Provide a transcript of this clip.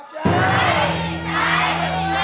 ใช้ใช้